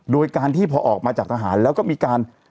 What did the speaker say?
โดยการที่พอออกมาจากทหารแล้วก็มีการ